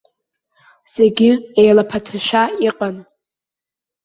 Зегьы еилаԥаҭашәа иҟан.